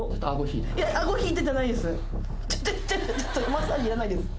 マッサージいらないです。